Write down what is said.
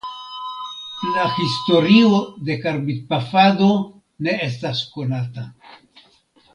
La historio de karbidpafado ne estas konata.